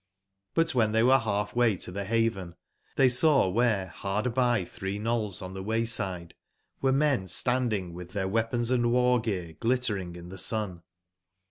But when tbcy were half /way to the haven tbey saw where hard by three knolls on the way /side were men etandingwith their weapons and war/gear glittering in the sun.